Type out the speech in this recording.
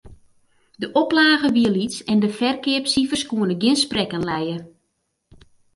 De oplage wie lyts en de ferkeapsifers koene gjin sprekken lije.